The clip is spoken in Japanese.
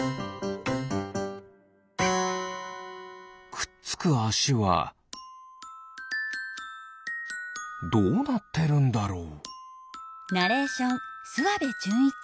くっつくあしはどうなってるんだろう？